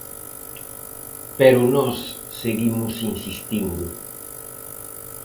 Pero nós seguimos insistindo.